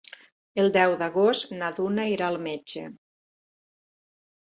El deu d'agost na Duna irà al metge.